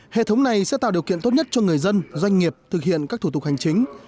hệ thống này sẽ tạo điều kiện tốt nhất cho người dân doanh nghiệp thực hiện các thủ tục hành chính